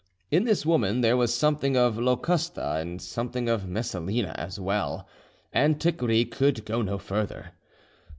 In this woman there was something of Locusta and something of Messalina as well: antiquity could go no further.